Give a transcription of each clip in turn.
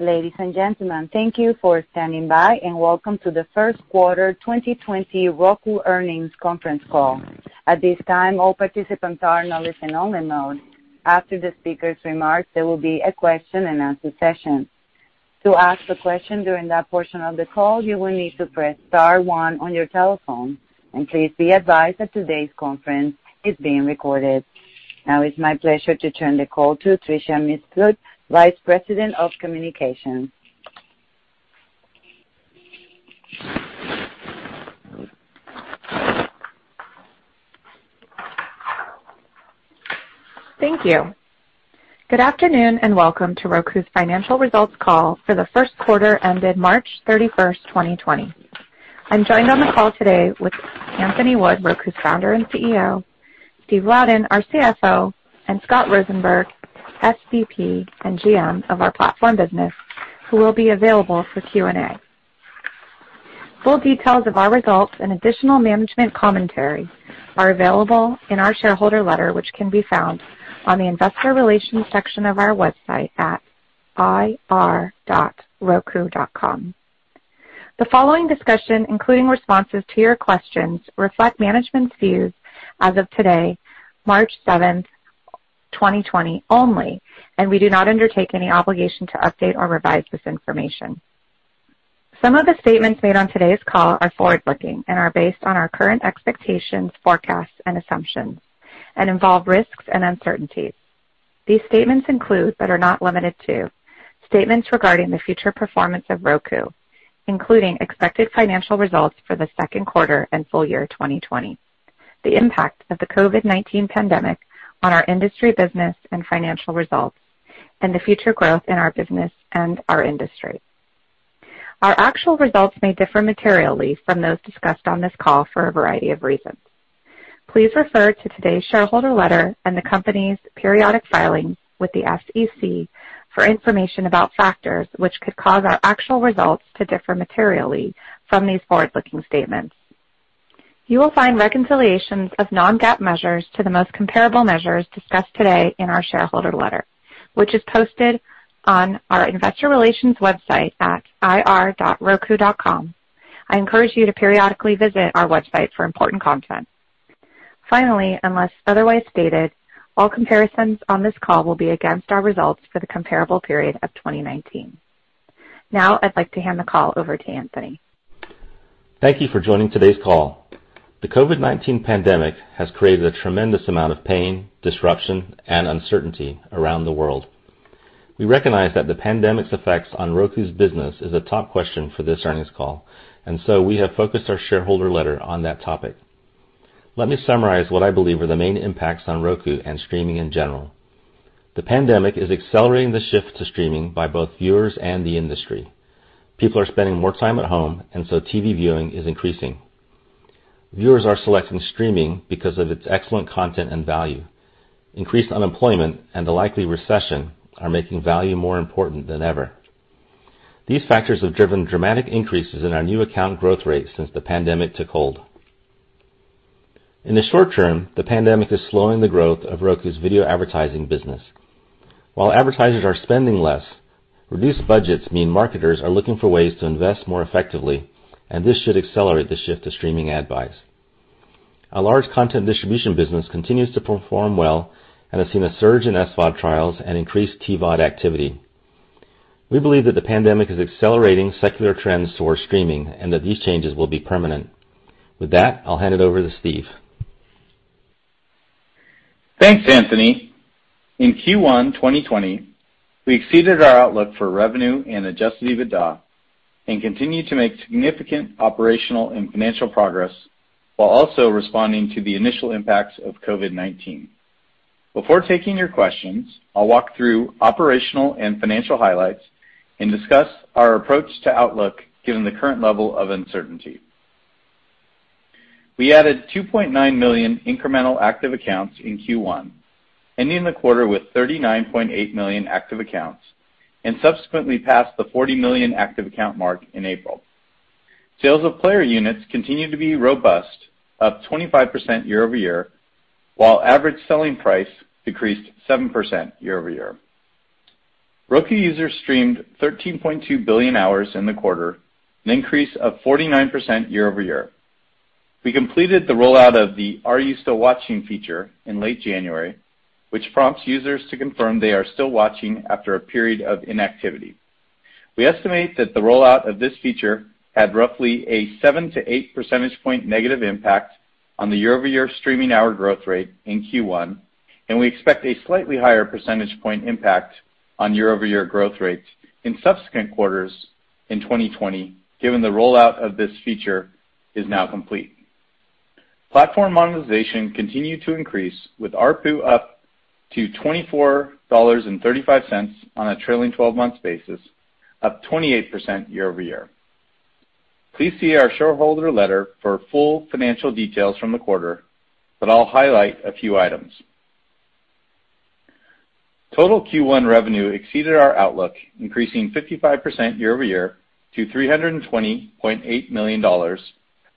Ladies and gentlemen, thank you for standing by. Welcome to the first quarter 2020 Roku earnings conference call. At this time, all participants are in a listen-only mode. After the speakers' remarks, there will be a question-and-answer session. To ask a question during that portion of the call, you will need to press star one on your telephone. Please be advised that today's conference is being recorded. Now, it's my pleasure to turn the call to Tricia Mifsud, Vice President of Communications. Thank you. Good afternoon, welcome to Roku's financial results call for the first quarter ended March 31st, 2020. I'm joined on the call today with Anthony Wood, Roku's Founder and CEO, Steve Louden, our CFO, and Scott Rosenberg, SVP and GM of our platform business, who will be available for Q&A. Full details of our results and additional management commentary are available in our shareholder letter, which can be found on the investor relations section of our website at ir.roku.com. The following discussion, including responses to your questions, reflect management's views as of today, March 7th, 2020 only, and we do not undertake any obligation to update or revise this information. Some of the statements made on today's call are forward-looking and are based on our current expectations, forecasts, and assumptions and involve risks and uncertainties. These statements include, but are not limited to, statements regarding the future performance of Roku, including expected financial results for the second quarter and full year 2020, the impact of the COVID-19 pandemic on our industry business and financial results, and the future growth in our business and our industry. Our actual results may differ materially from those discussed on this call for a variety of reasons. Please refer to today's shareholder letter and the company's periodic filings with the SEC for information about factors which could cause our actual results to differ materially from these forward-looking statements. You will find reconciliations of non-GAAP measures to the most comparable measures discussed today in our shareholder letter, which is posted on our investor relations website at ir.roku.com. I encourage you to periodically visit our website for important content. Finally, unless otherwise stated, all comparisons on this call will be against our results for the comparable period of 2019. Now, I'd like to hand the call over to Anthony. Thank you for joining today's call. The COVID-19 pandemic has created a tremendous amount of pain, disruption, and uncertainty around the world. We recognize that the pandemic's effects on Roku's business is a top question for this earnings call, and so we have focused our shareholder letter on that topic. Let me summarize what I believe are the main impacts on Roku and streaming in general. The pandemic is accelerating the shift to streaming by both viewers and the industry. People are spending more time at home, and so TV viewing is increasing. Viewers are selecting streaming because of its excellent content and value. Increased unemployment and the likely recession are making value more important than ever. These factors have driven dramatic increases in our new account growth rate since the pandemic took hold. In the short term, the pandemic is slowing the growth of Roku's video advertising business. While advertisers are spending less, reduced budgets mean marketers are looking for ways to invest more effectively, and this should accelerate the shift to streaming ad buys. Our large content distribution business continues to perform well and has seen a surge in SVOD trials and increased TVOD activity. We believe that the pandemic is accelerating secular trends toward streaming and that these changes will be permanent. With that, I'll hand it over to Steve. Thanks, Anthony. In Q1 2020, we exceeded our outlook for revenue and Adjusted EBITDA and continued to make significant operational and financial progress while also responding to the initial impacts of COVID-19. Before taking your questions, I'll walk through operational and financial highlights and discuss our approach to outlook, given the current level of uncertainty. We added 2.9 million incremental active accounts in Q1, ending the quarter with 39.8 million active accounts, and subsequently passed the 40 million active account mark in April. Sales of player units continued to be robust, up 25% year-over-year, while average selling price decreased 7% year-over-year. Roku users streamed 13.2 billion hours in the quarter, an increase of 49% year-over-year. We completed the rollout of the Are You Still Watching feature in late January, which prompts users to confirm they are still watching after a period of inactivity. We estimate that the rollout of this feature had roughly a seven to eight percentage point negative impact on the year-over-year streaming hour growth rate in Q1, and we expect a slightly higher percentage point impact on year-over-year growth rates in subsequent quarters in 2020, given the rollout of this feature is now complete. Platform monetization continued to increase, with ARPU up to $24.35 on a trailing 12-month basis, up 28% year-over-year. Please see our shareholder letter for full financial details from the quarter, I'll highlight a few items. Total Q1 revenue exceeded our outlook, increasing 55% year-over-year to $320.8 million,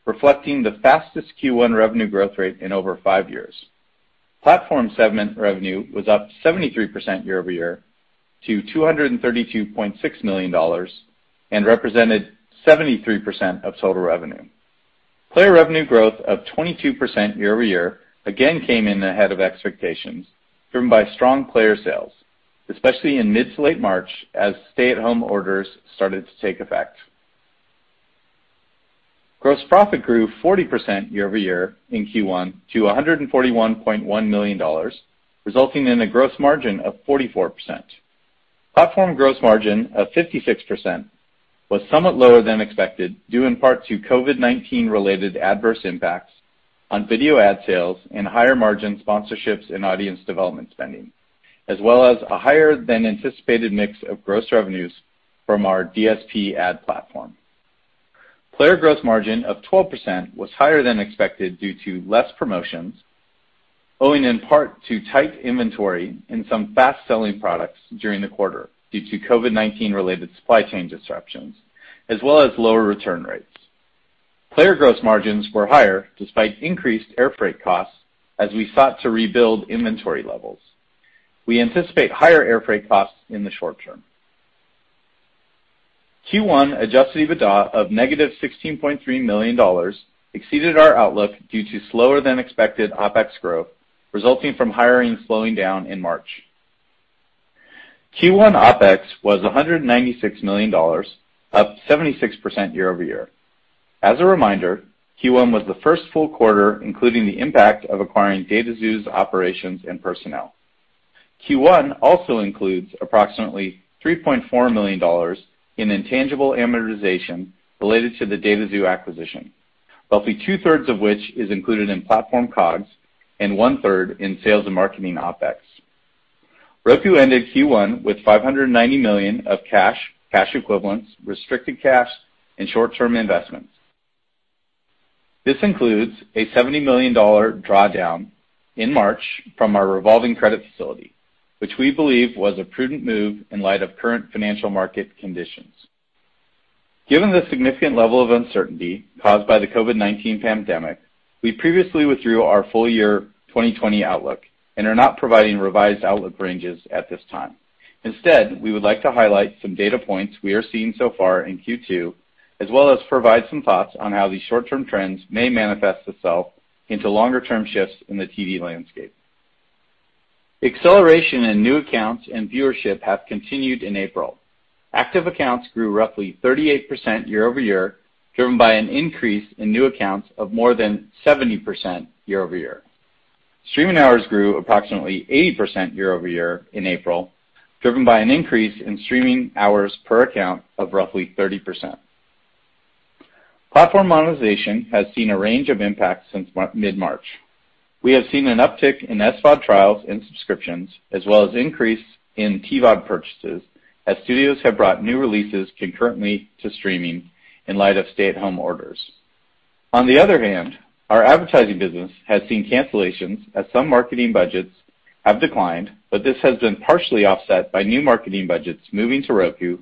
reflecting the fastest Q1 revenue growth rate in over five years. Platform segment revenue was up 73% year-over-year to $232.6 million and represented 73% of total revenue. Player revenue growth of 22% year-over-year again came in ahead of expectations, driven by strong player sales, especially in mid to late March as stay-at-home orders started to take effect. Gross profit grew 40% year-over-year in Q1 to $141.1 million, resulting in a gross margin of 44%. Platform gross margin of 56% was somewhat lower than expected, due in part to COVID-19 related adverse impacts on video ad sales and higher margin sponsorships and audience development spending, as well as a higher than anticipated mix of gross revenues from our DSP ad platform. Player gross margin of 12% was higher than expected due to less promotions, owing in part to tight inventory and some fast-selling products during the quarter due to COVID-19 related supply chain disruptions, as well as lower return rates. Player gross margins were higher despite increased airfreight costs as we sought to rebuild inventory levels. We anticipate higher airfreight costs in the short term. Q1 Adjusted EBITDA of negative $16.3 million exceeded our outlook due to slower than expected OpEx growth, resulting from hiring slowing down in March. Q1 OpEx was $196 million, up 76% year-over-year. As a reminder, Q1 was the first full quarter, including the impact of acquiring Dataxu's operations and personnel. Q1 also includes approximately $3.4 million in intangible amortization related to the Dataxu acquisition, roughly two-thirds of which is included in platform COGS and one-third in sales and marketing OpEx. Roku ended Q1 with $590 million of cash equivalents, restricted cash, and short-term investments. This includes a $70 million drawdown in March from our revolving credit facility, which we believe was a prudent move in light of current financial market conditions. Given the significant level of uncertainty caused by the COVID-19 pandemic, we previously withdrew our full year 2020 outlook and are not providing revised outlook ranges at this time. Instead, we would like to highlight some data points we are seeing so far in Q2, as well as provide some thoughts on how these short-term trends may manifest themselves into longer-term shifts in the TV landscape. Acceleration in new accounts and viewership have continued in April. Active accounts grew roughly 38% year-over-year, driven by an increase in new accounts of more than 70% year-over-year. Streaming hours grew approximately 80% year-over-year in April, driven by an increase in streaming hours per account of roughly 30%. Platform monetization has seen a range of impacts since mid-March. We have seen an uptick in SVOD trials and subscriptions, as well as increase in TVOD purchases as studios have brought new releases concurrently to streaming in light of stay-at-home orders. On the other hand, our advertising business has seen cancellations as some marketing budgets have declined, but this has been partially offset by new marketing budgets moving to Roku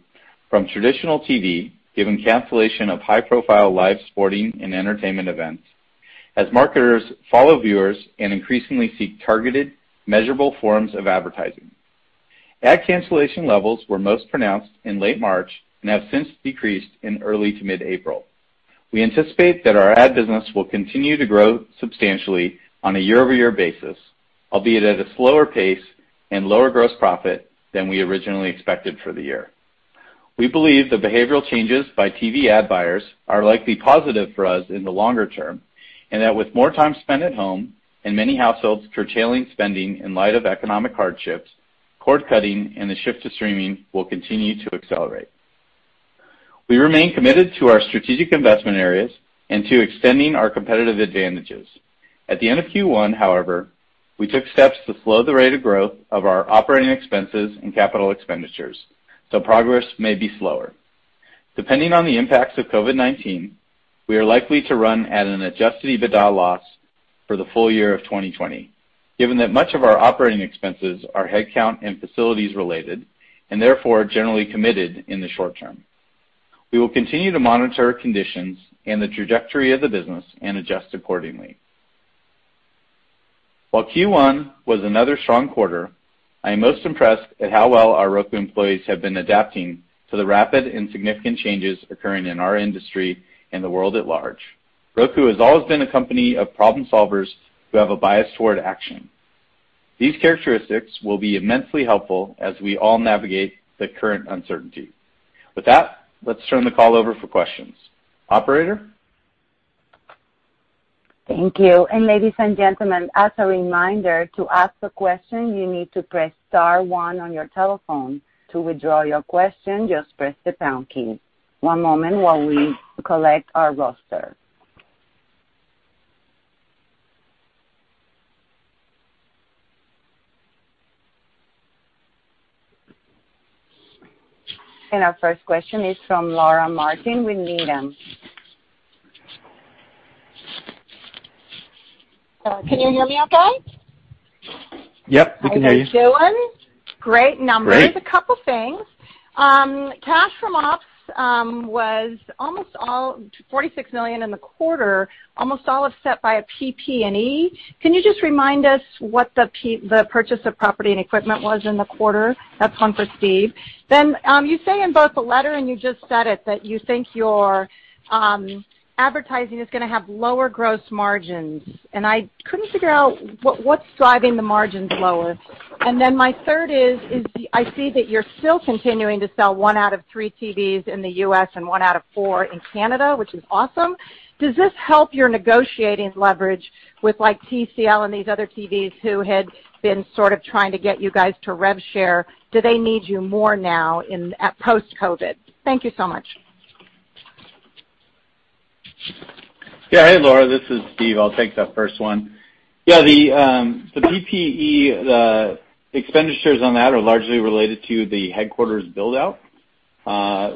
from traditional TV, given cancellation of high-profile live sporting and entertainment events, as marketers follow viewers and increasingly seek targeted, measurable forms of advertising. Ad cancellation levels were most pronounced in late March and have since decreased in early to mid-April. We anticipate that our ad business will continue to grow substantially on a year-over-year basis, albeit at a slower pace and lower gross profit than we originally expected for the year. We believe the behavioral changes by TV ad buyers are likely positive for us in the longer term, and that with more time spent at home and many households curtailing spending in light of economic hardships, cord cutting and the shift to streaming will continue to accelerate. We remain committed to our strategic investment areas and to extending our competitive advantages. At the end of Q1, however, we took steps to slow the rate of growth of our operating expenses and capital expenditures, so progress may be slower. Depending on the impacts of COVID-19, we are likely to run at an Adjusted EBITDA loss for the full year of 2020, given that much of our operating expenses are headcount and facilities-related, and therefore, are generally committed in the short term. We will continue to monitor conditions and the trajectory of the business and adjust accordingly. While Q1 was another strong quarter, I am most impressed at how well our Roku employees have been adapting to the rapid and significant changes occurring in our industry and the world at large. Roku has always been a company of problem solvers who have a bias toward action. These characteristics will be immensely helpful as we all navigate the current uncertainty. With that, let's turn the call over for questions. Operator? Thank you. Ladies and gentlemen, as a reminder, to ask a question, you need to press star one on your telephone. To withdraw your question, just press the pound key. One moment while we collect our roster. Our first question is from Laura Martin with Needham. Can you hear me okay? Yep, we can hear you. Great numbers. Great. A couple things. Cash from ops was almost all $46 million in the quarter, almost all offset by a PP&E. Can you just remind us what the purchase of property and equipment was in the quarter? That's one for Steve. You say in both the letter, and you just said it, that you think your advertising is going to have lower gross margins. I couldn't figure out what's driving the margins lower. My third is, I see that you're still continuing to sell 1/3 TVs in the U.S. and 1/4 in Canada, which is awesome. Does this help your negotiating leverage with TCL and these other TVs who had been sort of trying to get you guys to rev share? Do they need you more now post-COVID? Thank you so much. Yeah. Hey, Laura. This is Steve. I'll take that first one. Yeah, the PPE, the expenditures on that are largely related to the headquarters build-out.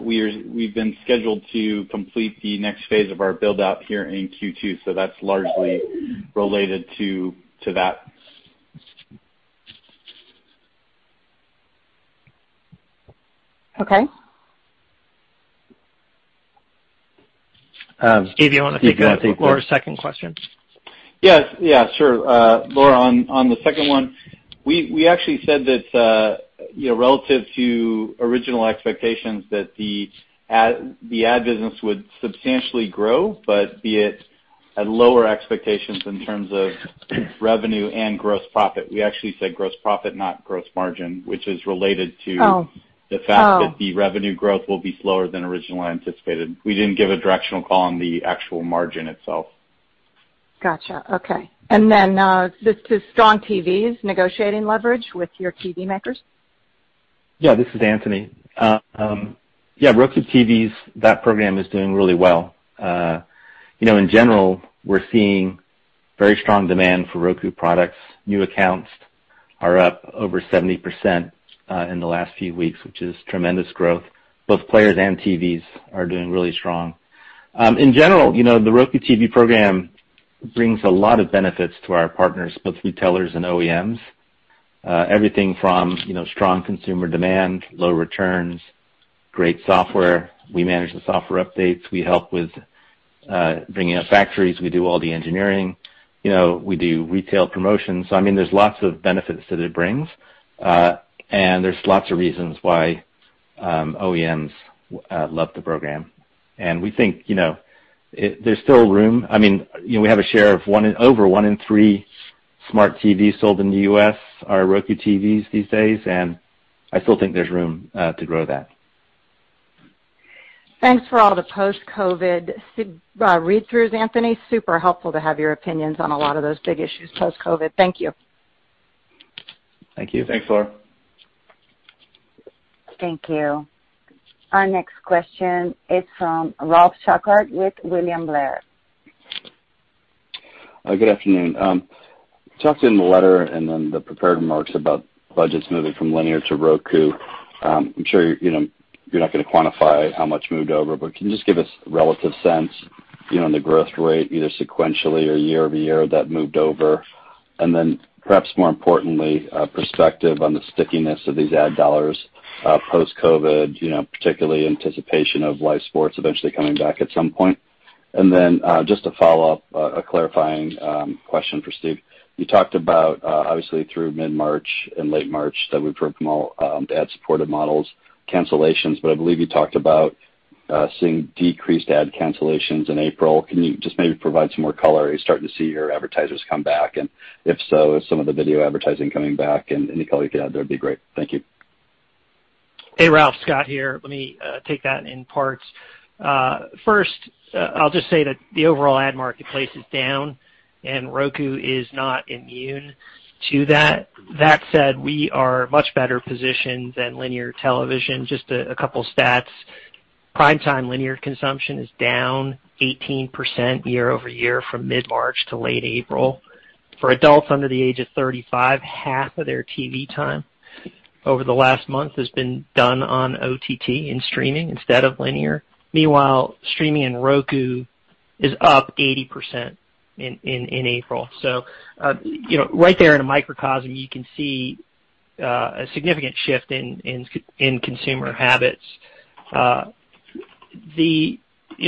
We've been scheduled to complete the next phase of our build-out here in Q2, so that's largely related to that. Okay. Steve, you want to take Laura's second question? Yes. Sure. Laura, on the second one, we actually said that relative to original expectations, that the ad business would substantially grow, but be it at lower expectations in terms of revenue and gross profit. We actually said gross profit, not gross margin, which is related to- Oh The fact that the revenue growth will be slower than originally anticipated. We didn't give a directional call on the actual margin itself. Got you. Okay. just the strong TVs negotiating leverage with your TV makers. Yeah, this is Anthony. Yeah, Roku TVs, that program is doing really well. In general, we're seeing very strong demand for Roku products. New accounts are up over 70% in the last few weeks, which is tremendous growth. Both players and TVs are doing really strong. In general, the Roku TV program brings a lot of benefits to our partners, both retailers and OEMs. Everything from strong consumer demand, low returns, great software. We manage the software updates. We help with bringing up factories. We do all the engineering. We do retail promotions. there's lots of benefits that it brings, and there's lots of reasons why OEMs love the program. we think there's still room. We have a share of over 1/3 smart TVs sold in the U.S. are Roku TVs these days, and I still think there's room to grow that. Thanks for all the post-COVID read-throughs, Anthony. Super helpful to have your opinions on a lot of those big issues post-COVID. Thank you. Thank you. Thanks, Laura. Thank you. Our next question is from Ralph Schackart with William Blair. Good afternoon. You talked in the letter and then the prepared remarks about budgets moving from linear to Roku. I'm sure you're not going to quantify how much moved over, but can you just give us a relative sense on the growth rate, either sequentially or year-over-year that moved over? Perhaps more importantly, perspective on the stickiness of these ad dollars post-COVID, particularly anticipation of live sports eventually coming back at some point. Just a follow-up, a clarifying question for Steve. You talked about, obviously through mid-March and late March, the different ad-supported models cancellations. I believe you talked about seeing decreased ad cancellations in April. Can you just maybe provide some more color? Are you starting to see your advertisers come back? If so, is some of the video advertising coming back? Any color you could add there would be great. Thank you. Hey, Ralph, Scott here. Let me take that in parts. First, I'll just say that the overall ad marketplace is down, and Roku is not immune to that. That said, we are much better positioned than linear television. Just a couple stats. Primetime linear consumption is down 18% year-over-year from mid-March to late April. For adults under the age of 35, half of their TV time over the last month has been done on OTT and streaming instead of linear. Meanwhile, streaming in Roku is up 80% in April. Right there in a microcosm, you can see a significant shift in consumer habits.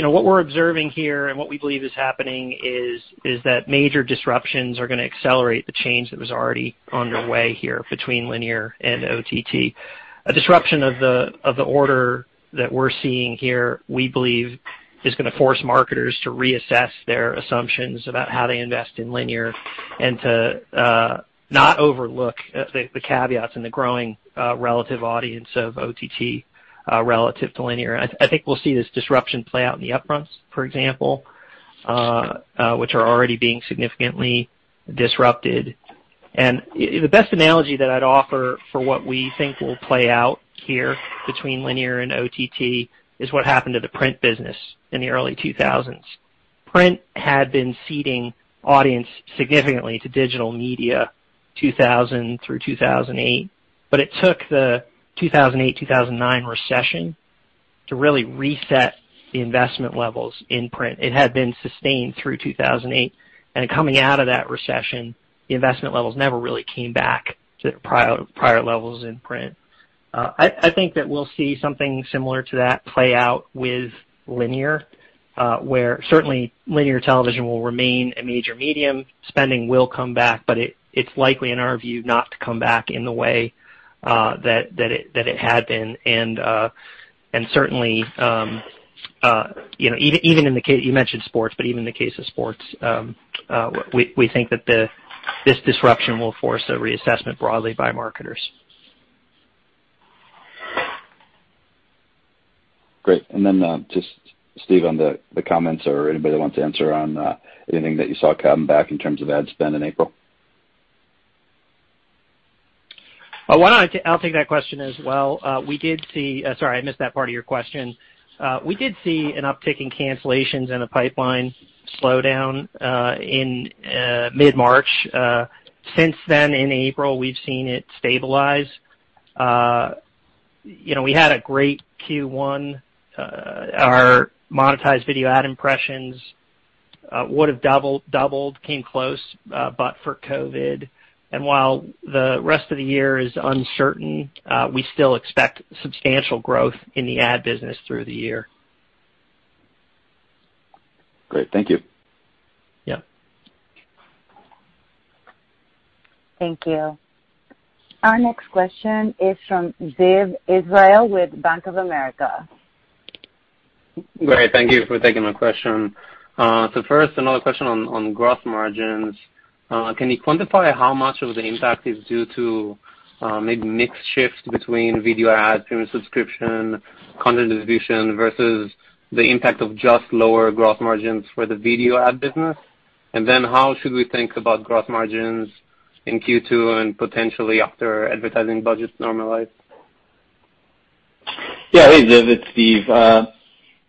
What we're observing here and what we believe is happening is that major disruptions are going to accelerate the change that was already underway here between linear and OTT. A disruption of the order that we're seeing here, we believe, is going to force marketers to reassess their assumptions about how they invest in linear and to not overlook the caveats and the growing relative audience of OTT relative to linear. I think we'll see this disruption play out in the upfronts, for example, which are already being significantly disrupted. The best analogy that I'd offer for what we think will play out here between linear and OTT is what happened to the print business in the early 2000s. Print had been ceding audience significantly to digital media 2000 through 2008, but it took the 2008, 2009 recession to really reset the investment levels in print. It had been sustained through 2008, and coming out of that recession, the investment levels never really came back to the prior levels in print. I think that we'll see something similar to that play out with linear, where certainly linear television will remain a major medium. Spending will come back, but it's likely, in our view, not to come back in the way that it had been. certainly, you mentioned sports, but even the case of sports, we think that this disruption will force a reassessment broadly by marketers. Great. Just Steve, on the comments or anybody that wants to answer on anything that you saw coming back in terms of ad spend in April. I'll take that question as well. Sorry, I missed that part of your question. We did see an uptick in cancellations and a pipeline slowdown in mid-March. Since then, in April, we've seen it stabilize. We had a great Q1. Our monetized video ad impressions would've doubled, came close, but for COVID. While the rest of the year is uncertain, we still expect substantial growth in the ad business through the year. Great. Thank you. Yeah. Thank you. Our next question is from Ziv Israel with Bank of America. Great. Thank you for taking my question. first, another question on gross margins. Can you quantify how much of the impact is due to maybe mix shift between video ads, premium subscription, content distribution, versus the impact of just lower gross margins for the video ad business? then how should we think about gross margins in Q2 and potentially after advertising budgets normalize? Yeah. Hey, Ziv, it's Steve.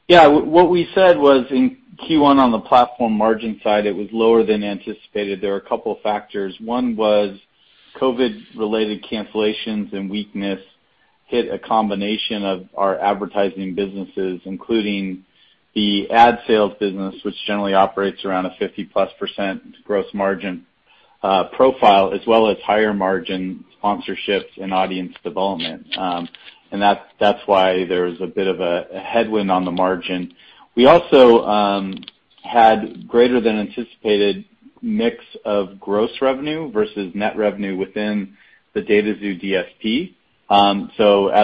Yeah, what we said was in Q1 on the platform margin side, it was lower than anticipated. There were a couple of factors. One was COVID-related cancellations and weakness hit a combination of our advertising businesses, including the ad sales business, which generally operates around a 50%+ gross margin profile, as well as higher-margin sponsorships and audience development. That's why there was a bit of a headwind on the margin. We also had greater than anticipated mix of gross revenue versus net revenue within the Dataxu DSP. As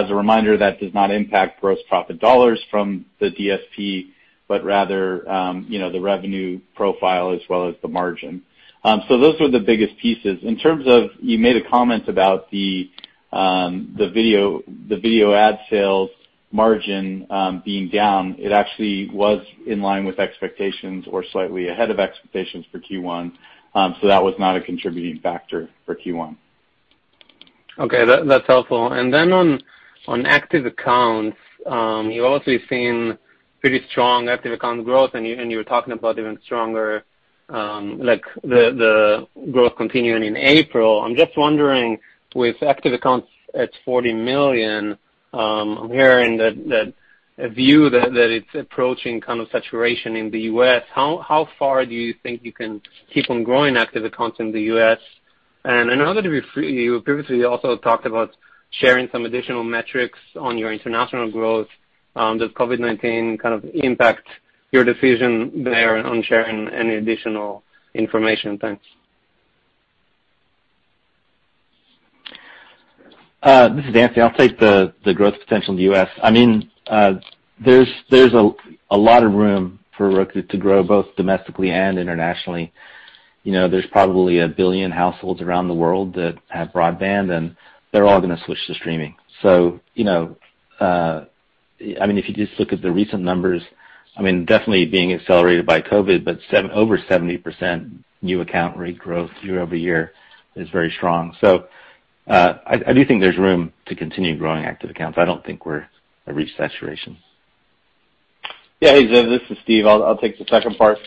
a reminder, that does not impact gross profit dollars from the DSP, but rather, the revenue profile as well as the margin. Those were the biggest pieces. In terms of, you made a comment about the video ad sales margin being down. It actually was in line with expectations or slightly ahead of expectations for Q1. That was not a contributing factor for Q1. Okay. That's helpful. On active accounts, you've obviously seen pretty strong active account growth and you were talking about even stronger, like the growth continuing in April. I'm just wondering, with active accounts at 40 million, I'm hearing that a view that it's approaching kind of saturation in the U.S. How far do you think you can keep on growing active accounts in the U.S.? In order to be fair, you previously also talked about sharing some additional metrics on your international growth. Does COVID-19 kind of impact your decision there on sharing any additional information? Thanks. This is Anthony. I'll take the growth potential in the U.S. There's a lot of room for Roku to grow both domestically and internationally. There's probably a billion households around the world that have broadband, and they're all going to switch to streaming. If you just look at the recent numbers, definitely being accelerated by COVID, but over 70% new account rate growth year-over-year is very strong. I do think there's room to continue growing active accounts. I don't think we've reached saturation. Yeah. Hey, Ziv, this is Steve. I'll take the second part.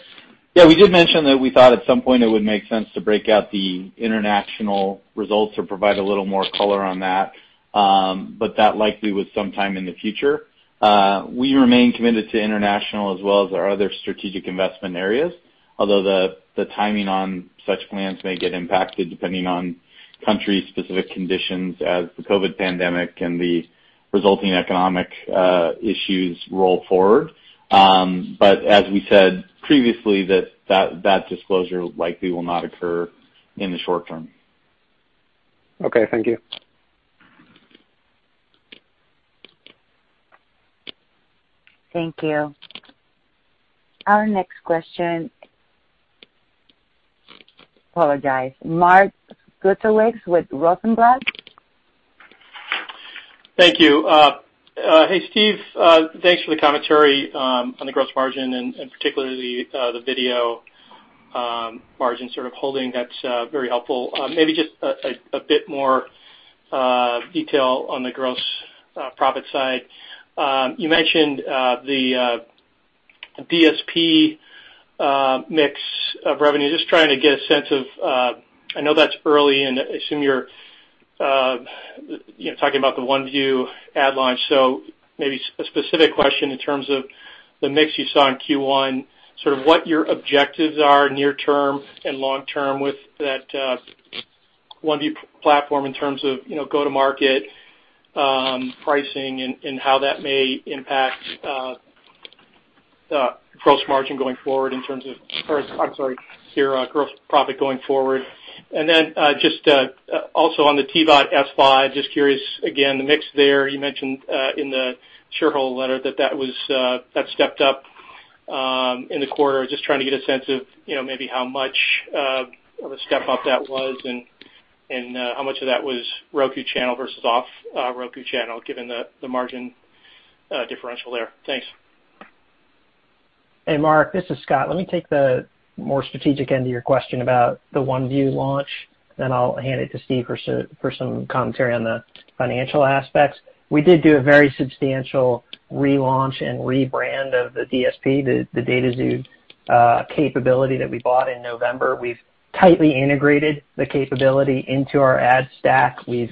Yeah, we did mention that we thought at some point it would make sense to break out the international results or provide a little more color on that. That likely was sometime in the future. We remain committed to international as well as our other strategic investment areas, although the timing on such plans may get impacted depending on country-specific conditions as the COVID pandemic and the resulting economic issues roll forward. as we said previously, that disclosure likely will not occur in the short term. Okay. Thank you. Thank you. Our next question. Apologize. Mark Zgutowicz with Rosenblatt. Thank you. Hey, Steve. Thanks for the commentary on the gross margin and particularly the video margin sort of holding. That's very helpful. Maybe just a bit more detail on the gross profit side. You mentioned the DSP mix of revenue. Just trying to get a sense of, I know that's early and I assume you're talking about the OneView ad launch. Maybe a specific question in terms of the mix you saw in Q1, sort of what your objectives are near term and long term with that OneView platform in terms of go to market, pricing and how that may impact gross margin going forward in terms of, or I'm sorry, your gross profit going forward. Just also on the TVOD SVOD, just curious, again, the mix there. You mentioned in the shareholder letter that that stepped up in the quarter. Just trying to get a sense of maybe how much of a step up that was and how much of that was Roku Channel versus off Roku Channel, given the margin differential there. Thanks. Hey, Mark, this is Scott. Let me take the more strategic end of your question about the OneView launch, then I'll hand it to Steve for some commentary on the financial aspects. We did do a very substantial relaunch and rebrand of the DSP, the Dataxu capability that we bought in November. We've tightly integrated the capability into our ad stack. We've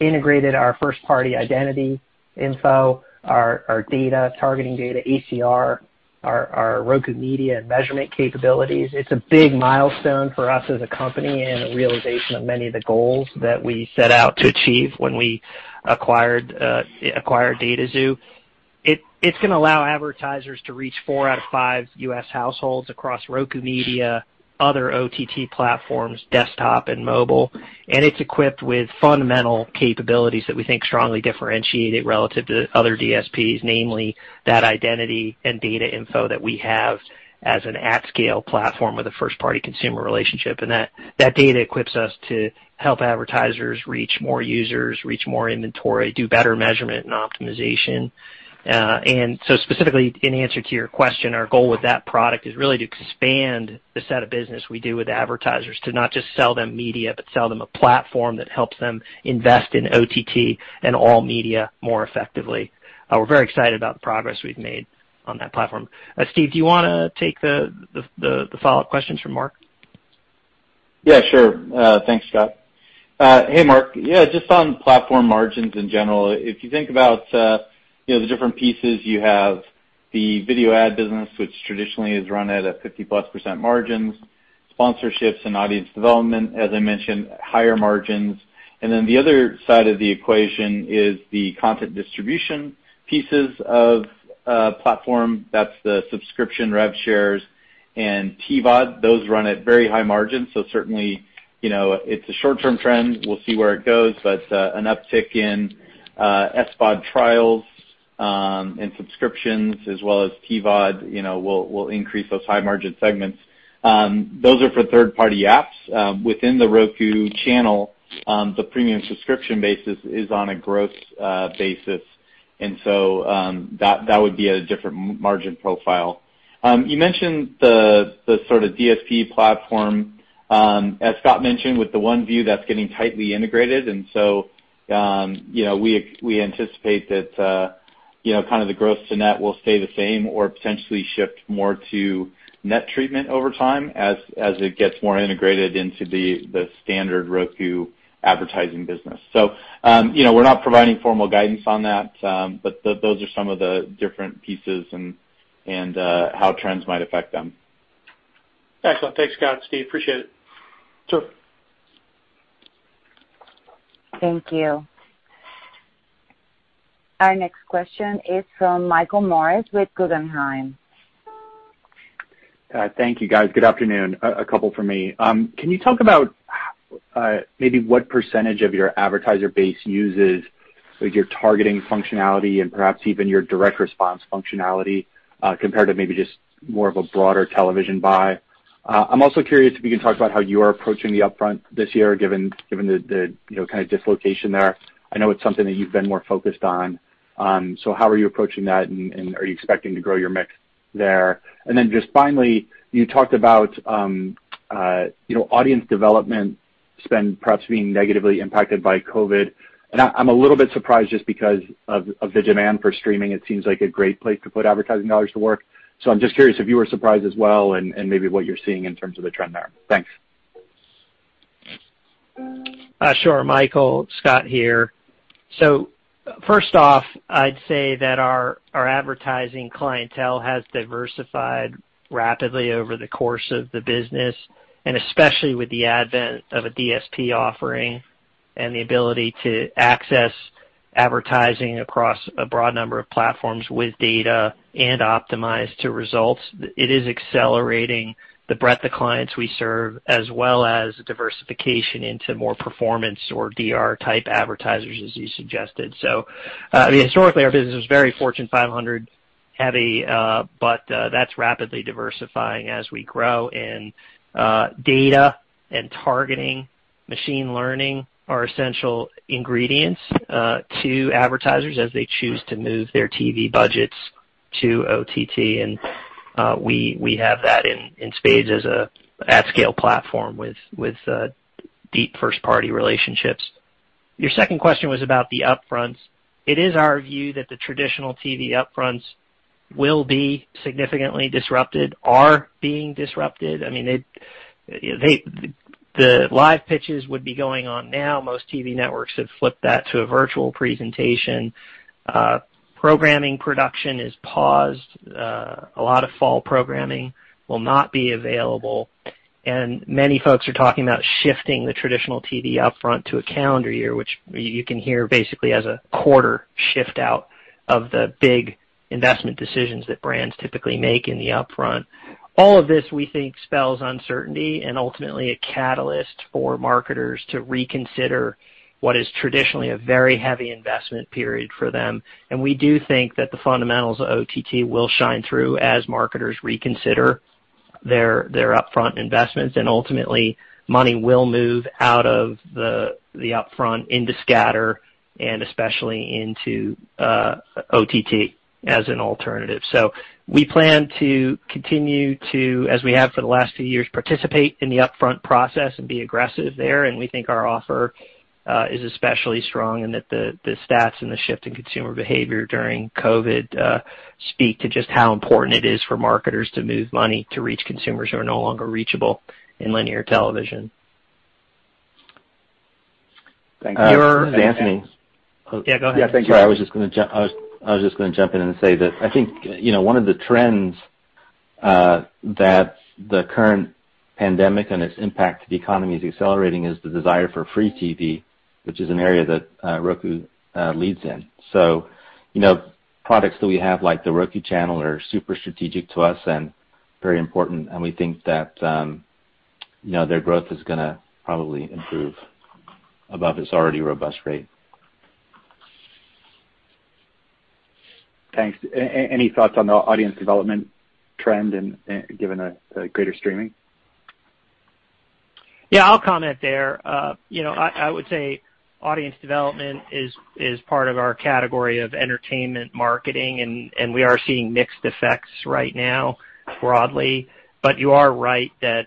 integrated our first-party identity info, our data, targeting data, ACR, our Roku media and measurement capabilities. It's a big milestone for us as a company and a realization of many of the goals that we set out to achieve when we acquired Dataxu. It's going to allow advertisers to reach four out of five U.S. households across Roku media, other OTT platforms, desktop, and mobile. It's equipped with fundamental capabilities that we think strongly differentiate it relative to other DSPs, namely that identity and data info that we have as an at-scale platform with a first-party consumer relationship. That data equips us to help advertisers reach more users, reach more inventory, do better measurement and optimization. Specifically in answer to your question, our goal with that product is really to expand the set of business we do with advertisers to not just sell them media, but sell them a platform that helps them invest in OTT and all media more effectively. We're very excited about the progress we've made on that platform. Steve, do you want to take the follow-up questions from Mark? Yeah, sure. Thanks, Scott. Hey, Mark. Yeah, just on platform margins in general, if you think about the different pieces, you have the video ad business, which traditionally is run at a 50-plus % margins, sponsorships and audience development, as I mentioned, higher margins. The other side of the equation is the content distribution pieces of platform. That's the subscription rev shares and TVOD. Those run at very high margins. Certainly, it's a short-term trend. We'll see where it goes. An uptick in SVOD trials and subscriptions as well as TVOD will increase those high-margin segments. Those are for third-party apps. Within the Roku Channel, the premium subscription basis is on a gross basis, and so that would be a different margin profile. You mentioned the sort of DSP platform. As Scott mentioned, with the One View, that's getting tightly integrated. We anticipate that kind of the gross to net will stay the same or potentially shift more to net treatment over time as it gets more integrated into the standard Roku advertising business. We're not providing formal guidance on that. Those are some of the different pieces and how trends might affect them. Excellent. Thanks, Scott, Steve. Appreciate it. Sure. Thank you. Our next question is from Michael Morris with Guggenheim. Thank you, guys. Good afternoon. A couple from me. Can you talk about maybe what percentage of your advertiser base uses your targeting functionality and perhaps even your direct response functionality compared to maybe just more of a broader television buy? I'm also curious if you can talk about how you are approaching the upfront this year, given the kind of dislocation there. I know it's something that you've been more focused on. How are you approaching that, and are you expecting to grow your mix there? just finally, you talked about audience development spend perhaps being negatively impacted by COVID. I'm a little bit surprised just because of the demand for streaming. It seems like a great place to put advertising dollars to work. I'm just curious if you were surprised as well and maybe what you're seeing in terms of the trend there. Thanks. Sure, Michael. Scott here. First off, I'd say that our advertising clientele has diversified rapidly over the course of the business, and especially with the advent of a DSP offering and the ability to access advertising across a broad number of platforms with data and optimize to results. It is accelerating the breadth of clients we serve, as well as diversification into more performance or DR-type advertisers, as you suggested. Historically our business was very Fortune 500 heavy. That's rapidly diversifying as we grow, and data and targeting, machine learning are essential ingredients to advertisers as they choose to move their TV budgets to OTT. We have that in spades as an at-scale platform with deep first-party relationships. Your second question was about the upfronts. It is our view that the traditional TV upfronts will be significantly disrupted, are being disrupted. I mean, the live pitches would be going on now. Most TV networks have flipped that to a virtual presentation. Programming production is paused. A lot of fall programming will not be available. Many folks are talking about shifting the traditional TV upfront to a calendar year, which you can hear basically as a quarter shift out of the big investment decisions that brands typically make in the upfront. All of this, we think, spells uncertainty and ultimately a catalyst for marketers to reconsider what is traditionally a very heavy investment period for them. We do think that the fundamentals of OTT will shine through as marketers reconsider their upfront investments, and ultimately money will move out of the upfront into scatter and especially into OTT as an alternative. We plan to continue to, as we have for the last few years, participate in the upfront process and be aggressive there. We think our offer is especially strong and that the stats and the shift in consumer behavior during COVID speak to just how important it is for marketers to move money to reach consumers who are no longer reachable in linear television. Thank you. This is Anthony. Yeah, go ahead. Yeah, thank you. I was just going to jump in and say that I think one of the trends that the current pandemic and its impact to the economy is accelerating is the desire for free TV, which is an area that Roku leads in. Products that we have, like The Roku Channel, are super strategic to us and very important, and we think that their growth is going to probably improve above its already robust rate. Thanks. Any thoughts on the audience development trend given a greater streaming? Yeah, I'll comment there. I would say audience development is part of our category of entertainment marketing, and we are seeing mixed effects right now broadly. you are right that,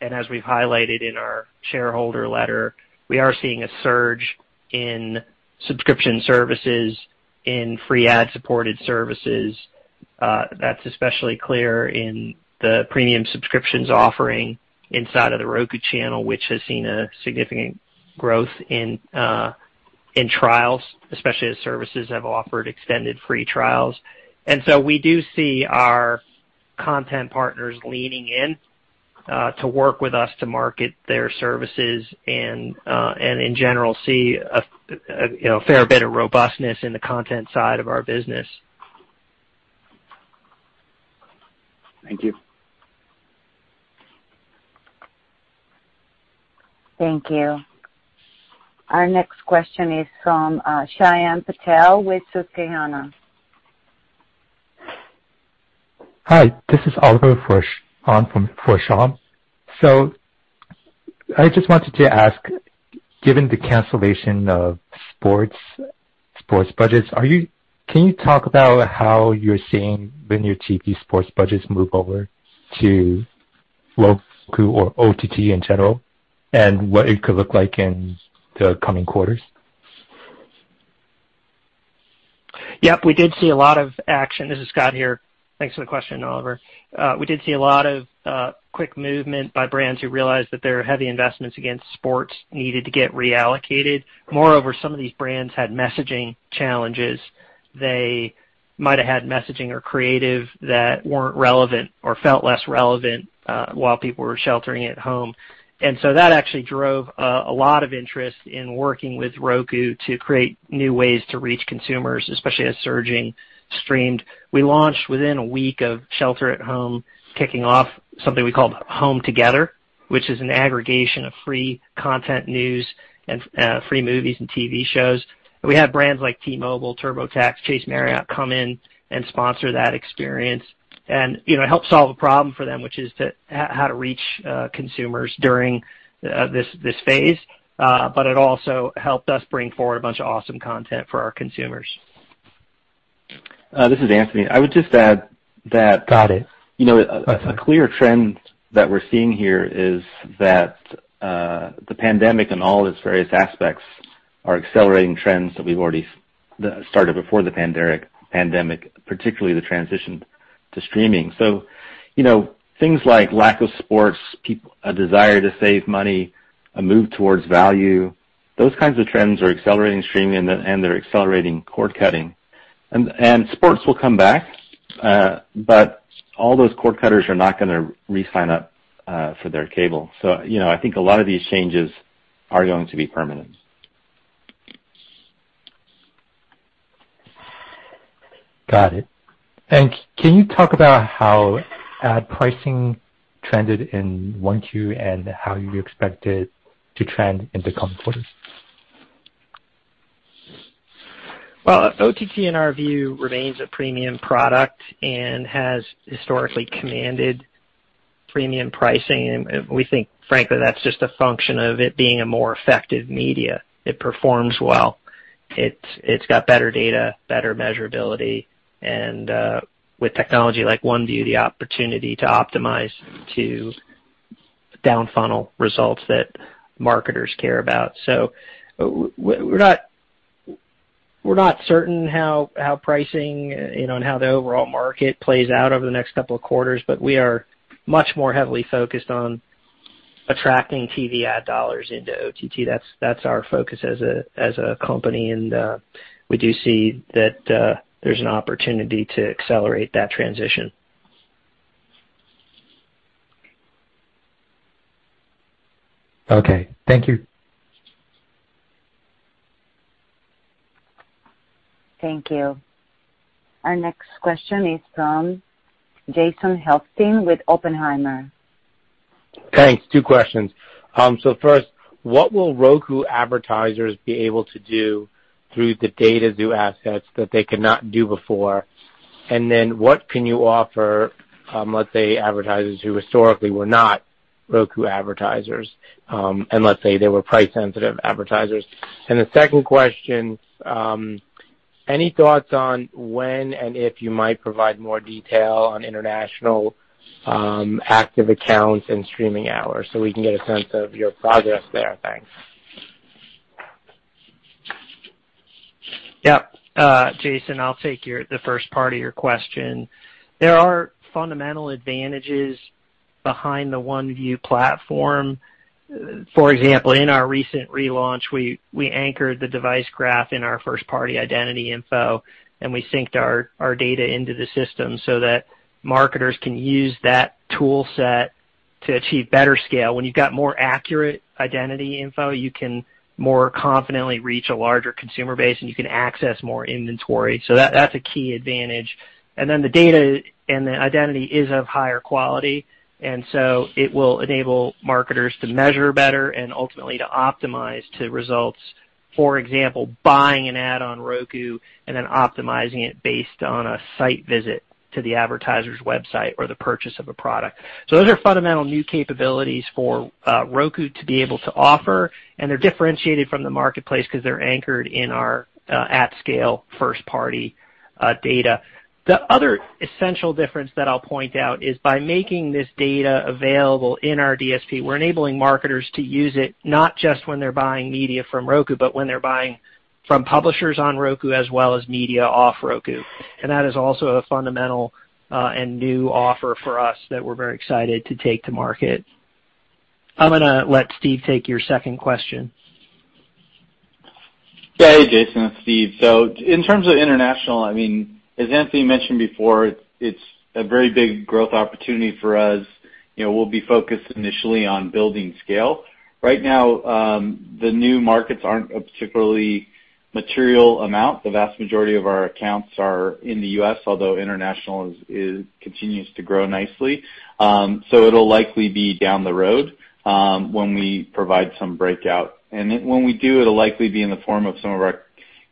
and as we've highlighted in our shareholder letter, we are seeing a surge in subscription services, in free ad-supported services. That's especially clear in the premium subscriptions offering inside of The Roku Channel, which has seen a significant growth in trials, especially as services have offered extended free trials. we do see our content partners leaning in to work with us to market their services and, in general, see a fair bit of robustness in the content side of our business. Thank you. Thank you. Our next question is from Shyam Patel with Susquehanna. Hi, this is Oliver on for Shyam. I just wanted to ask, given the cancellation of sports budgets, can you talk about how you're seeing linear TV sports budgets move over to Roku or OTT in general, and what it could look like in the coming quarters? Yep, we did see a lot of action. This is Scott here. Thanks for the question, Oliver. We did see a lot of quick movement by brands who realized that their heavy investments against sports needed to get reallocated. Moreover, some of these brands had messaging challenges. They might have had messaging or creative that weren't relevant or felt less relevant while people were sheltering at home. That actually drove a lot of interest in working with Roku to create new ways to reach consumers, especially as streaming surged. We launched within a week of shelter at home, kicking off something we called Home Together, which is an aggregation of free content news and free movies and TV shows. We had brands like T-Mobile, TurboTax, Chase, Marriott, come in and sponsor that experience and help solve a problem for them, which is how to reach consumers during this phase. It also helped us bring forward a bunch of awesome content for our consumers. This is Anthony. I would just add that- Got it. A clear trend that we're seeing here is that the pandemic and all its various aspects are accelerating trends that we've already started before the pandemic, particularly the transition to streaming. things like lack of sports, a desire to save money, a move towards value. Those kinds of trends are accelerating streaming and they're accelerating cord-cutting. sports will come back. all those cord-cutters are not going to re-sign up for their cable. I think a lot of these changes are going to be permanent. Got it. Can you talk about how ad pricing trended in Q1 and how you expect it to trend in the coming quarters? Well, OTT, in our view, remains a premium product and has historically commanded premium pricing. We think, frankly, that's just a function of it being a more effective media. It performs well. It's got better data, better measurability, and with technology like OneView, the opportunity to optimize to down-funnel results that marketers care about. We're not certain how pricing and how the overall market plays out over the next couple of quarters, but we are much more heavily focused on attracting TV ad dollars into OTT. That's our focus as a company, and we do see that there's an opportunity to accelerate that transition. Okay. Thank you. Thank you. Our next question is from Jason Helfstein with Oppenheimer. Thanks. Two questions. First, what will Roku advertisers be able to do through the Dataxu assets that they could not do before? what can you offer, let's say, advertisers who historically were not Roku advertisers, and let's say they were price-sensitive advertisers. the second question, any thoughts on when and if you might provide more detail on international active accounts and streaming hours so we can get a sense of your progress there? Thanks. Yep. Jason, I'll take the first part of your question. There are fundamental advantages behind the OneView platform. For example, in our recent relaunch, we anchored the device graph in our first-party identity info, and we synced our data into the system so that marketers can use that tool set to achieve better scale. When you've got more accurate identity info, you can more confidently reach a larger consumer base, and you can access more inventory. That's a key advantage. The data and the identity is of higher quality, and so it will enable marketers to measure better and ultimately to optimize to results. For example, buying an ad on Roku and then optimizing it based on a site visit to the advertiser's website or the purchase of a product. Those are fundamental new capabilities for Roku to be able to offer, and they're differentiated from the marketplace because they're anchored in our at-scale first-party data. The other essential difference that I'll point out is by making this data available in our DSP, we're enabling marketers to use it not just when they're buying media from Roku, but when they're buying from publishers on Roku as well as media off Roku. That is also a fundamental and new offer for us that we're very excited to take to market. I'm going to let Steve take your second question. Yeah. Hey, Jason. It's Steve. In terms of international, as Anthony mentioned before, it's a very big growth opportunity for us. We'll be focused initially on building scale. Right now, the new markets aren't a particularly material amount. The vast majority of our accounts are in the U.S., although international continues to grow nicely. It'll likely be down the road, when we provide some breakout. When we do, it'll likely be in the form of some of our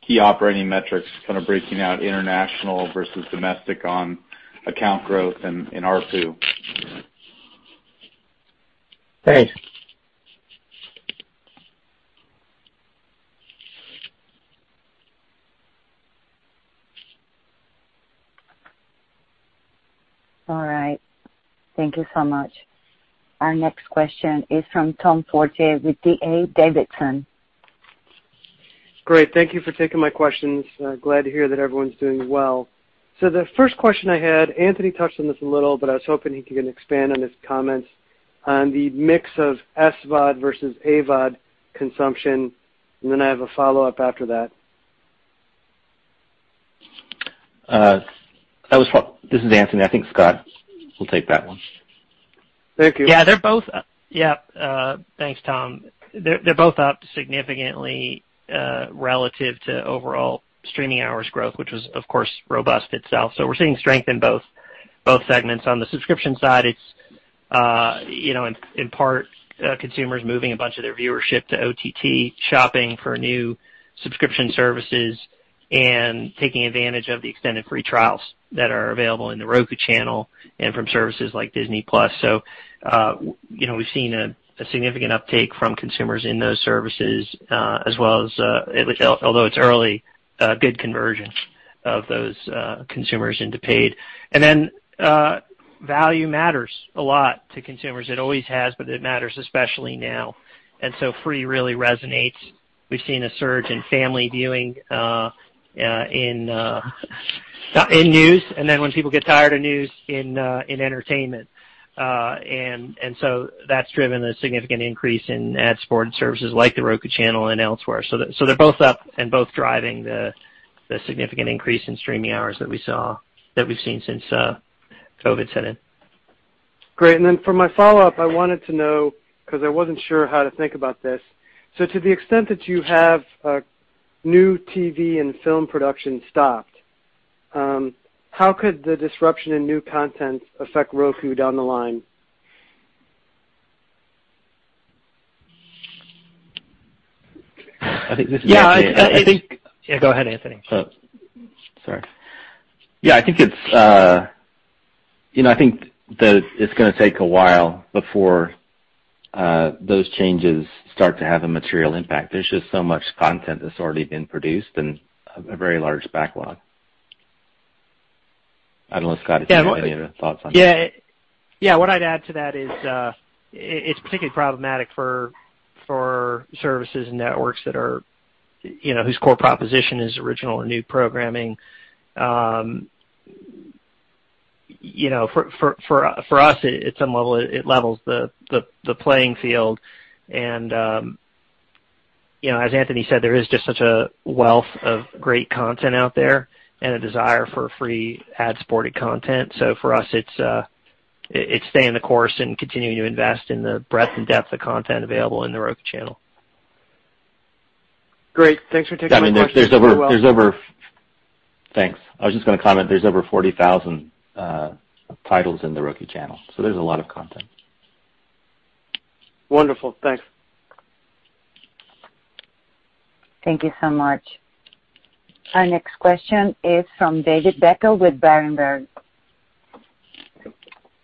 key operating metrics, kind of breaking out international versus domestic on account growth and ARPU. Thanks. All right. Thank you so much. Our next question is from Tom Forte with D.A. Davidson. Great. Thank you for taking my questions. Glad to hear that everyone's doing well. The first question I had, Anthony touched on this a little, but I was hoping he can expand on his comments on the mix of SVOD versus AVOD consumption, and then I have a follow-up after that. This is Anthony. I think Scott will take that one. Thank you. Yeah. Thanks, Tom. They're both up significantly relative to overall streaming hours growth, which was, of course, robust itself. We're seeing strength in both segments. On the subscription side, it's in part consumers moving a bunch of their viewership to OTT, shopping for new subscription services, and taking advantage of the extended free trials that are available in The Roku Channel and from services like Disney+. We've seen a significant uptake from consumers in those services as well as, although it's early, good conversion of those consumers into paid. Value matters a lot to consumers. It always has, but it matters especially now. Free really resonates. We've seen a surge in family viewing in news, and then when people get tired of news, in entertainment. That's driven a significant increase in ad-supported services like The Roku Channel and elsewhere. They're both up and both driving the significant increase in streaming hours that we've seen since COVID set in. Great. Then for my follow-up, I wanted to know, because I wasn't sure how to think about this. To the extent that you have new TV and film production stopped, how could the disruption in new content affect Roku down the line? I think this is- Yeah, go ahead, Anthony. Oh, sorry. Yeah, I think that it's going to take a while before those changes start to have a material impact. There's just so much content that's already been produced and a very large backlog. I don't know, Scott, if you have any other thoughts on that. Yeah. What I'd add to that is, it's particularly problematic for services and networks whose core proposition is original or new programming. For us, it levels the playing field. As Anthony said, there is just such a wealth of great content out there and a desire for free ad-supported content. For us, it's staying the course and continuing to invest in the breadth and depth of content available in The Roku Channel. Great. Thanks for taking my question. Thanks. I was just going to comment, there's over 40,000 titles in The Roku Channel, so there's a lot of content. Wonderful. Thanks. Thank you so much. Our next question is from David Beckel with Berenberg.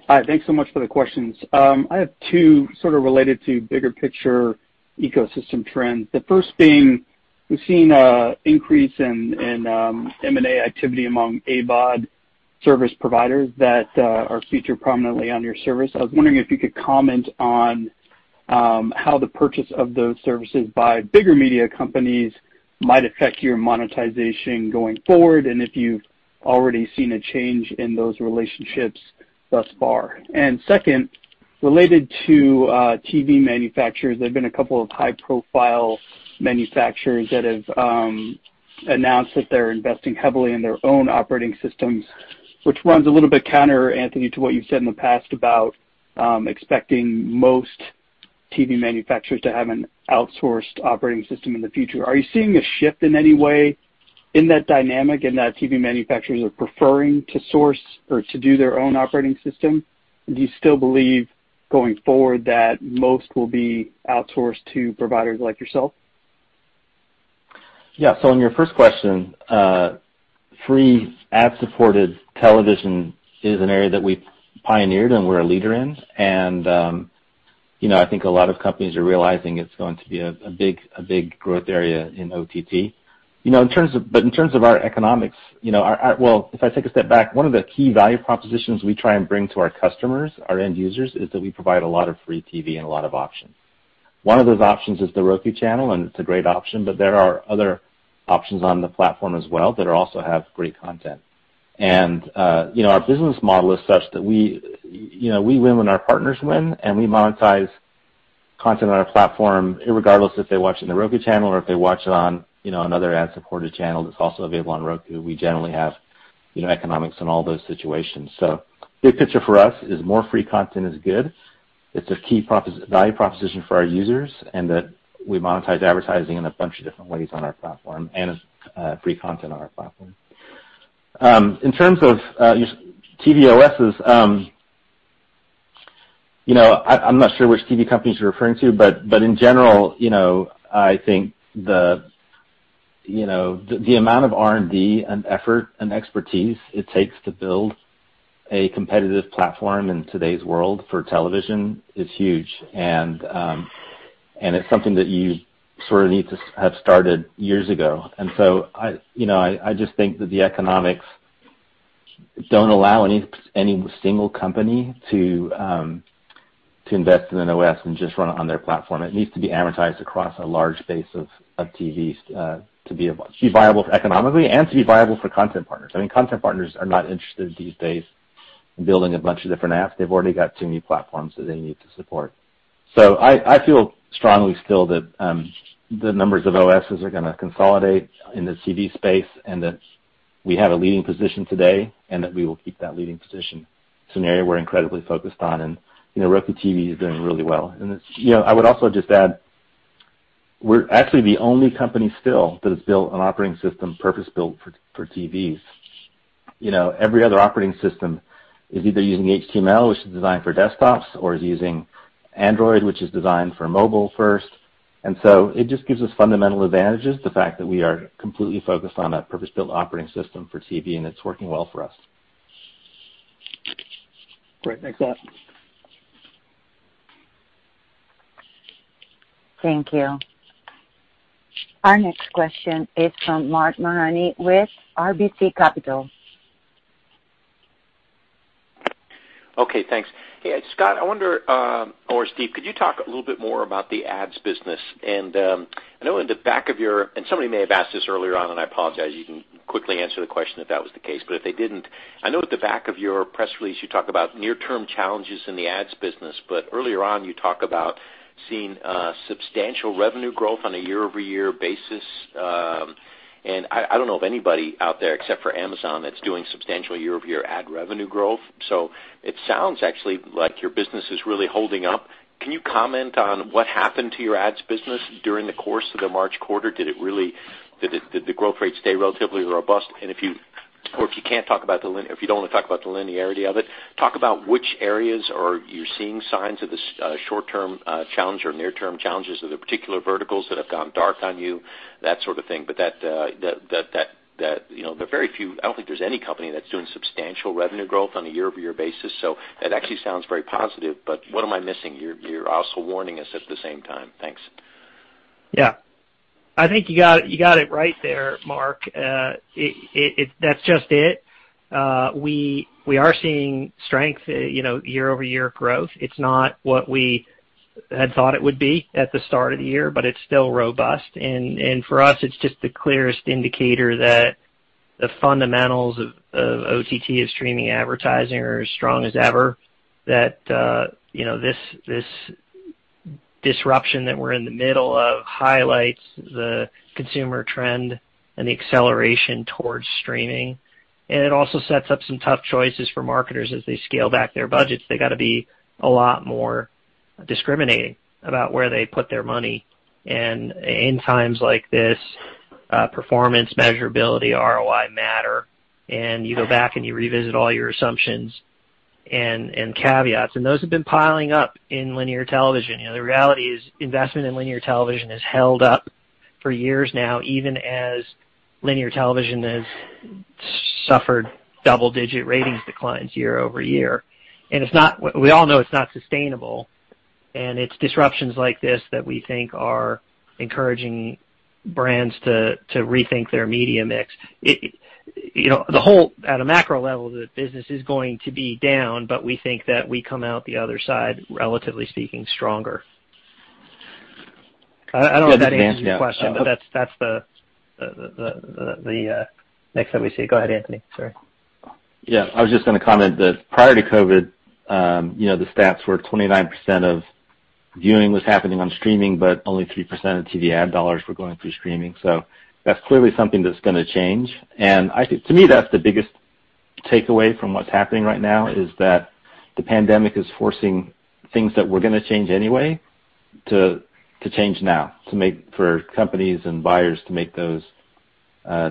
Hi. Thanks so much for the questions. I have two sort of related to bigger picture ecosystem trends. The first being, we've seen a increase in M&A activity among AVOD service providers that are featured prominently on your service. I was wondering if you could comment on how the purchase of those services by bigger media companies might affect your monetization going forward, and if you've already seen a change in those relationships thus far. second, related to TV manufacturers, there have been a couple of high-profile manufacturers that have announced that they're investing heavily in their own operating systems, which runs a little bit counter, Anthony, to what you've said in the past about expecting most TV manufacturers to have an outsourced operating system in the future. Are you seeing a shift in any way in that dynamic, in that TV manufacturers are preferring to source or to do their own operating system? Do you still believe going forward that most will be outsourced to providers like yourself? Yeah. On your first question, free ad-supported television is an area that we pioneered and we're a leader in. I think a lot of companies are realizing it's going to be a big growth area in OTT. In terms of our economics, well, if I take a step back, one of the key value propositions we try and bring to our customers, our end users, is that we provide a lot of free TV and a lot of options. One of those options is The Roku Channel, and it's a great option, but there are other options on the platform as well that also have great content. Our business model is such that we win when our partners win, and we monetize content on our platform irregardless if they watch on The Roku Channel or if they watch it on another ad-supported channel that's also available on Roku. We generally have economics in all those situations. Big picture for us is more free content is good. It's a key value proposition for our users, and that we monetize advertising in a bunch of different ways on our platform and free content on our platform. In terms of TV OSs, I'm not sure which TV companies you're referring to, but in general, I think the amount of R&D and effort and expertise it takes to build a competitive platform in today's world for television is huge. It's something that you sort of need to have started years ago. I just think that the economics don't allow any single company to invest in an OS and just run it on their platform. It needs to be advertised across a large base of TVs to be viable economically and to be viable for content partners. Content partners are not interested these days in building a bunch of different apps. They've already got too many platforms that they need to support. I feel strongly still that the numbers of OSs are going to consolidate in the TV space and that we have a leading position today and that we will keep that leading position. It's an area we're incredibly focused on, and Roku TV is doing really well. I would also just add, we're actually the only company still that has built an operating system purpose-built for TVs. Every other operating system is either using HTML, which is designed for desktops, or is using Android, which is designed for mobile first. It just gives us fundamental advantages, the fact that we are completely focused on a purpose-built operating system for TV, and it's working well for us. Great. Thanks a lot. Thank you. Our next question is from Mark Mahaney with RBC Capital. Okay, thanks. Hey, Scott, I wonder, or Steve, could you talk a little bit more about the ads business? I know somebody may have asked this earlier on, and I apologize. You can quickly answer the question if that was the case, but if they didn't, I know at the back of your press release, you talk about near-term challenges in the ads business. Earlier on, you talk about seeing substantial revenue growth on a year-over-year basis. I don't know of anybody out there except for Amazon that's doing substantial year-over-year ad revenue growth. It sounds actually like your business is really holding up. Can you comment on what happened to your ads business during the course of the March quarter? Did the growth rate stay relatively robust? If you don't want to talk about the linearity of it, talk about which areas are you seeing signs of the short-term challenge or near-term challenges. Are there particular verticals that have gone dark on you, that sort of thing. There are very few. I don't think there's any company that's doing substantial revenue growth on a year-over-year basis, so that actually sounds very positive. What am I missing? You're also warning us at the same time. Thanks. Yeah. I think you got it right there, Mark. That's just it. We are seeing strength, year-over-year growth. It's not what we had thought it would be at the start of the year, but it's still robust. For us, it's just the clearest indicator that the fundamentals of OTT and streaming advertising are as strong as ever, that this disruption that we're in the middle of highlights the consumer trend and the acceleration towards streaming. It also sets up some tough choices for marketers as they scale back their budgets. They got to be a lot more discriminating about where they put their money. In times like this, performance, measurability, ROI matter, and you go back and you revisit all your assumptions and caveats. Those have been piling up in linear television. The reality is investment in linear television has held up for years now, even as linear television has suffered double-digit ratings declines year-over-year. We all know it's not sustainable, and it's disruptions like this that we think are encouraging brands to rethink their media mix. At a macro level, the business is going to be down, but we think that we come out the other side, relatively speaking, stronger. I don't know if that answers your question- Yeah. That's the mix that we see. Go ahead, Anthony. Sorry. Yeah. I was just going to comment that prior to COVID, the stats were 29% of viewing was happening on streaming, but only 3% of TV ad dollars were going through streaming. That's clearly something that's going to change. To me, that's the biggest takeaway from what's happening right now, is that the pandemic is forcing things that were going to change anyway to change now, for companies and buyers to make those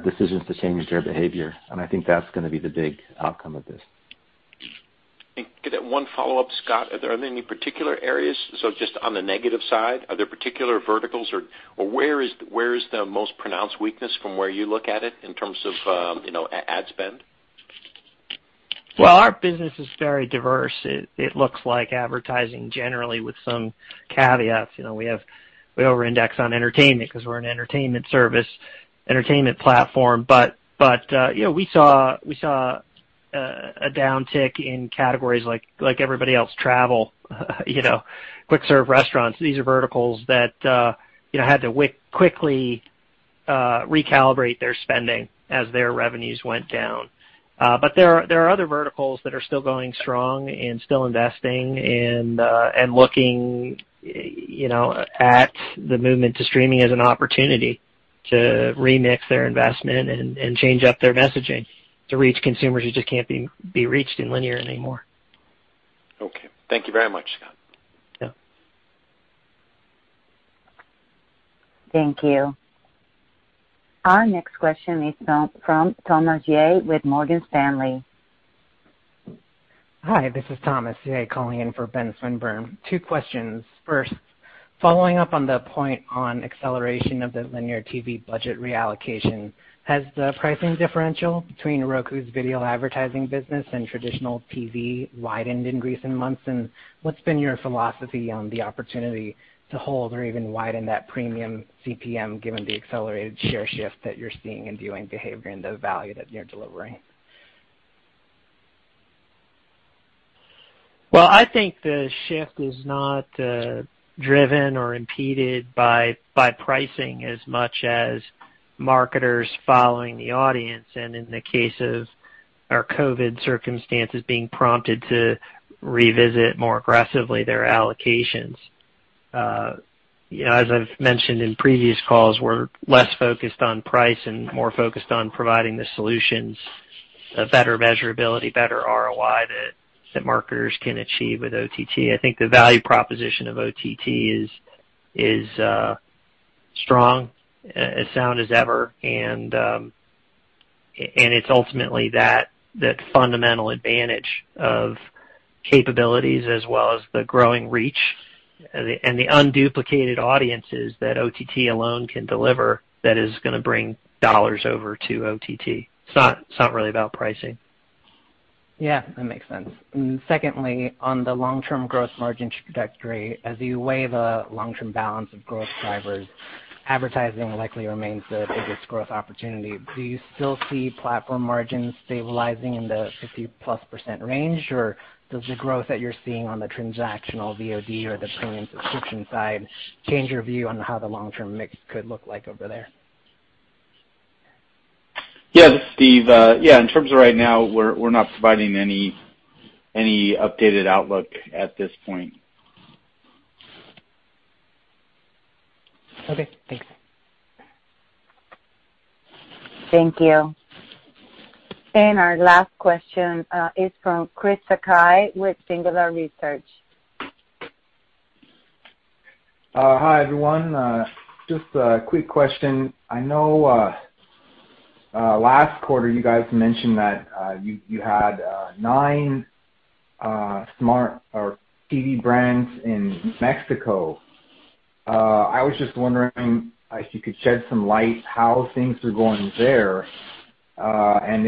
decisions to change their behavior. I think that's going to be the big outcome of this. Could I get one follow-up, Scott? Are there any particular areas, so just on the negative side, are there particular verticals, or where is the most pronounced weakness from where you look at it in terms of ad spend? Well, our business is very diverse. It looks like advertising generally with some caveats. We over-index on entertainment because we're an entertainment service, entertainment platform. We saw a downtick in categories like everybody else, travel, quick-serve restaurants. These are verticals that had to quickly recalibrate their spending as their revenues went down. There are other verticals that are still going strong and still investing and looking at the movement to streaming as an opportunity to remix their investment and change up their messaging to reach consumers who just can't be reached in linear anymore. Okay. Thank you very much, Scott. Yeah. Thank you. Our next question is from Thomas Yeh with Morgan Stanley. Hi, this is Thomas Yeh calling in for Ben Swinburne. Two questions. First, following up on the point on acceleration of the linear TV budget reallocation, has the pricing differential between Roku's video advertising business and traditional TV widened in recent months? What's been your philosophy on the opportunity to hold or even widen that premium CPM given the accelerated share shift that you're seeing in viewing behavior and the value that you're delivering? Well, I think the shift is not driven or impeded by pricing as much as marketers following the audience. In the case of our COVID circumstances, being prompted to revisit more aggressively their allocations. As I've mentioned in previous calls, we're less focused on price and more focused on providing the solutions, better measurability, better ROI that marketers can achieve with OTT. I think the value proposition of OTT is strong, as sound as ever. It's ultimately that fundamental advantage of capabilities as well as the growing reach and the unduplicated audiences that OTT alone can deliver that is going to bring dollars over to OTT. It's not really about pricing. Yeah, that makes sense. Secondly, on the long-term growth margins trajectory, as you weigh the long-term balance of growth drivers, advertising likely remains the biggest growth opportunity. Do you still see platform margins stabilizing in the 50-plus % range, or does the growth that you're seeing on the transactional VOD or the paying subscription side change your view on how the long-term mix could look like over there? Yeah, this is Steve. Yeah, in terms of right now, we're not providing any updated outlook at this point. Okay, thanks. Thank you. our last question is from Chris Sakai with Singular Research Hi, everyone. Just a quick question. I know last quarter you guys mentioned that you had nine smart TV brands in Mexico. I was just wondering if you could shed some light how things are going there, and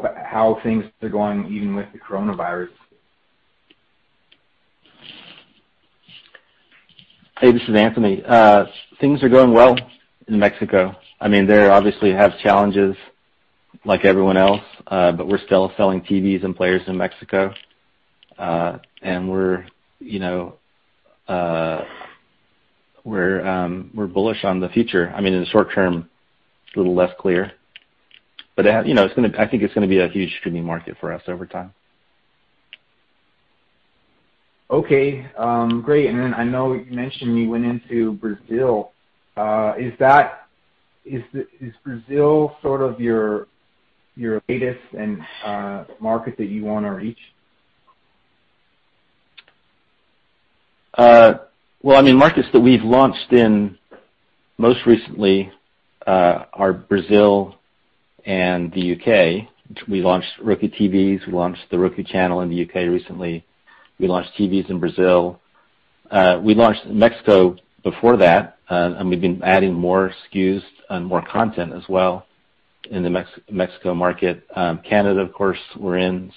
how things are going even with the coronavirus. Hey, this is Anthony. Things are going well in Mexico. They obviously have challenges like everyone else. We're still selling TVs and players in Mexico. We're bullish on the future. In the short term, it's a little less clear. I think it's going to be a huge streaming market for us over time. Okay. Great. I know you mentioned you went into Brazil. Is Brazil sort of your latest market that you want to reach? Well, markets that we've launched in most recently are Brazil and the U.K. We launched Roku TVs, we launched The Roku Channel in the U.K. recently. We launched TVs in Brazil. We launched Mexico before that, and we've been adding more SKUs and more content as well in the Mexico market. Canada, of course, we're in.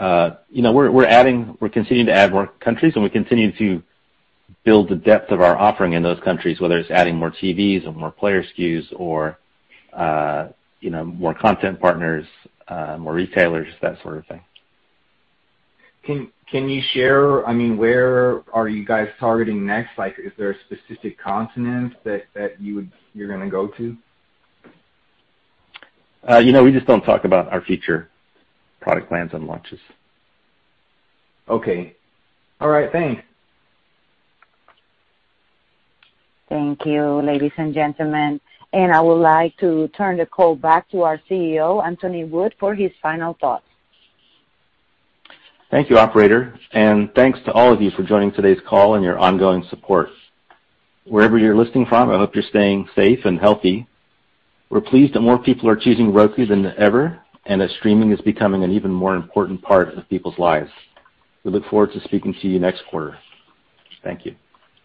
We're continuing to add more countries, and we're continuing to build the depth of our offering in those countries, whether it's adding more TVs or more player SKUs or more content partners, more retailers, that sort of thing. Can you share, where are you guys targeting next? Is there a specific continent that you're going to go to? We just don't talk about our future product plans and launches. Okay. All right. Thanks. Thank you, ladies and gentlemen. I would like to turn the call back to our CEO, Anthony Wood, for his final thoughts. Thank you, operator. Thanks to all of you for joining today's call and your ongoing support. Wherever you're listening from, I hope you're staying safe and healthy. We're pleased that more people are choosing Roku than ever, and that streaming is becoming an even more important part of people's lives. We look forward to speaking to you next quarter. Thank you.